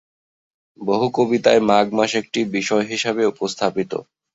বহু কবিতায় মাঘ মাস একটি বিষয় হিসাবে উপস্থাপিত।